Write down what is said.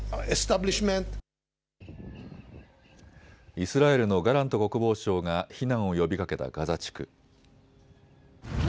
イスラエルのガラント国防相が避難を呼びかけたガザ地区。